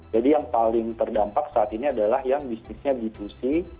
jadi yang paling terdampak saat ini adalah yang bisnisnya b dua c